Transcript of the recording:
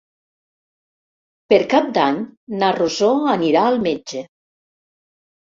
Per Cap d'Any na Rosó anirà al metge.